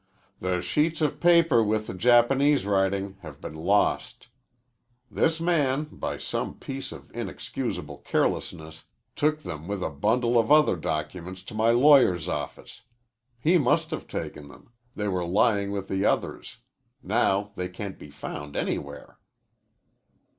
"The sheets of paper with the Japanese writing have been lost. This man, by some piece of inexcusable carelessness, took them with a bundle of other documents to my lawyer's office. He must have taken them. They were lying with the others. Now they can't be found anywhere."